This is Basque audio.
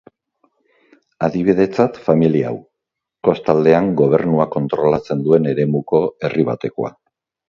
Adibidetzat, familia hau, kostaldean gobernuak kontrolatzen duen eremuko herri batekoa.